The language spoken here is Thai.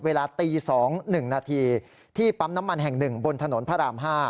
เวลาตี๒๑นาทีที่ปั๊มน้ำมันแห่ง๑บนถนนพระราม๕